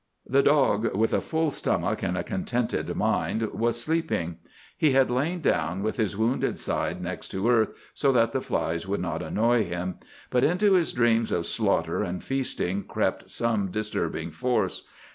The dog, with a full stomach and a contented mind, was sleeping. He had lain down with his wounded side next to earth, so that the flies could not annoy him. But into his dreams of slaughter and feasting crept some disturbing force.